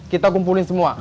kita kumpulin semua